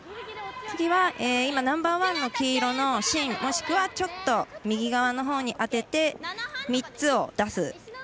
次はナンバーワンの黄色の芯もしくはちょっと右側のほうに当てて３つを出す。